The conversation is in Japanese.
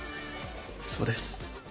そうです。